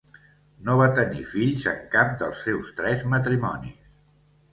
No va tenir fills en cap dels seus tres matrimonis.